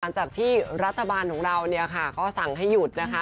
จากที่รัฐบาลของเราเนี่ยค่ะก็สั่งให้หยุดนะคะ